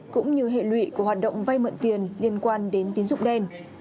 cũng như hệ lụy của hoạt động vay mượn tiền liên quan đến tín dụng đen